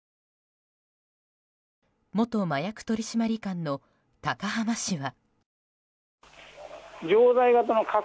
元麻薬取締官の高濱氏は。